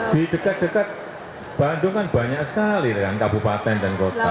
di dekat dekat bandung kan banyak sekali kan kabupaten dan kota